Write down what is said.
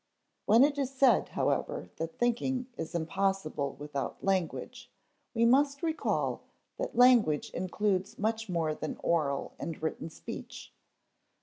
When it is said, however, that thinking is impossible without language, we must recall that language includes much more than oral and written speech.